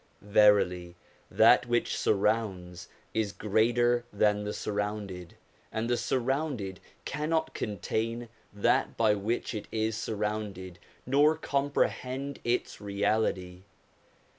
Verily that which surrounds is greater than the surrounded, and the surrounded cannot contain that by which it is surrounded, nor comprehend its reality.